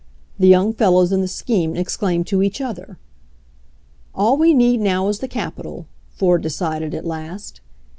the young fellows in the scheme exclaimed to each other. "All we need now is the capital," Ford de* cided at last.